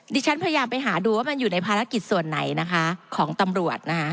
ฉันพยายามไปหาดูว่ามันอยู่ในภารกิจส่วนไหนนะคะของตำรวจนะคะ